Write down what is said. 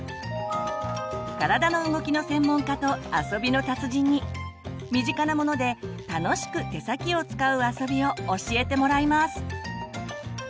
体の動きの専門家と遊びの達人に身近なもので楽しく手先を使う遊びを教えてもらいます！